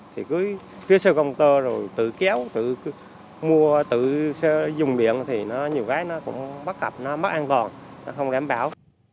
thì cứ phía sơ công tơ rồi tự kéo tự mua tự dùng điện thì nhiều cái nó cũng bất cập nó mất an toàn nó không đảm bảo